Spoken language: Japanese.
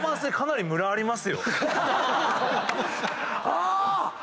あ！